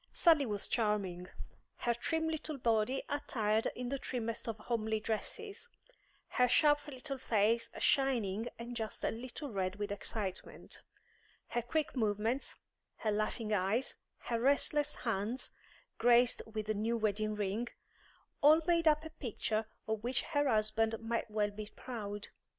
Sally was charming. Her trim little body attired in the trimmest of homely dresses, her sharp little face shining and just a little red with excitement, her quick movements, her laughing eyes, her restless hands graced with the new wedding ring all made up a picture of which her husband might well be proud.